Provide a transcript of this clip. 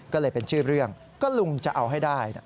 ก็เลยเป็นชื่อเรื่องก็ลุงจะเอาให้ได้